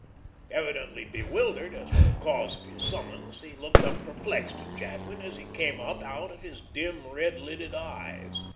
Evidently bewildered as to the cause of this summons, he looked up perplexed at Jadwin as he came up, out of his dim, red lidded eyes.